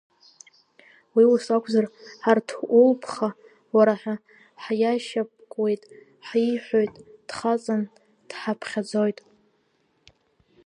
Уи ус акәзар, ҳарҭ улԥха, уара ҳәа ҳиашьапкуеит, ҳиҳәоит, дхаҵан дҳаԥхьаӡоит…